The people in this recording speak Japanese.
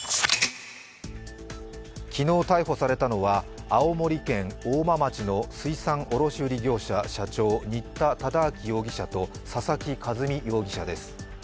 昨日、逮捕されたのは青森県大間町の水産卸業者社長新田忠明容疑者と佐々木一美容疑者です。